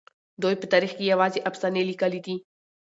دوی په تاريخ کې يوازې افسانې ليکلي دي.